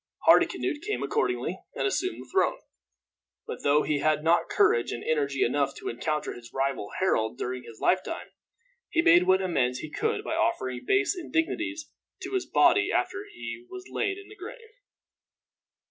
Hardicanute came accordingly and assumed the throne. But, though he had not courage and energy enough to encounter his rival Harold during his lifetime, he made what amends he could by offering base indignities to his body after he was laid in the grave.